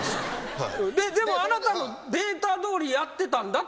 でもあなたのデータどおりやってたんだっていうことやね？